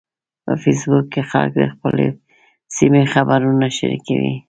په فېسبوک کې خلک د خپلې سیمې خبرونه شریکوي